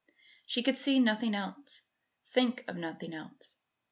She could see nothing else, think of nothing else.